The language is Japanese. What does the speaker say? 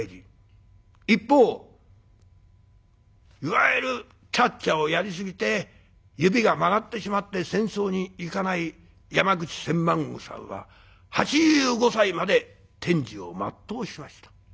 一方いわゆるキャッチャーをやりすぎて指が曲がってしまって戦争に行かない山口千万石さんは８５歳まで天寿を全うしました。